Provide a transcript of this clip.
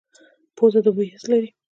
پوزه د بوی حس لري